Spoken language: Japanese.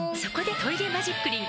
「トイレマジックリン」